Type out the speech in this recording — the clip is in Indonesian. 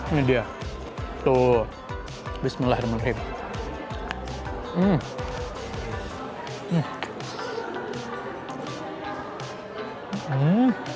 ini dia tuh bismillahirrahmanirrahim